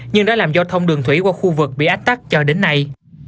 nhưng đã làm giao thông đường thủy qua khu vực bị ách tắc cho đến nay